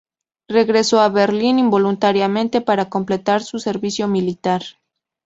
Regresó a Berlín involuntariamente para completar su servicio militar.